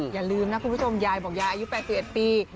อย่าลืมนะคุณผู้ชมยายบอกยายอายุ๘๑ปี